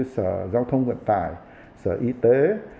sở giao thông vận tải sở y tế